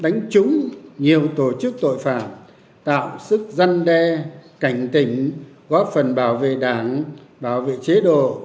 đánh trúng nhiều tổ chức tội phạm tạo sức dân đe cảnh tỉnh góp phần bảo vệ đảng bảo vệ chế độ